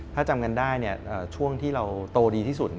ถ้าจำกันได้ช่วงที่เราโตดีที่สุด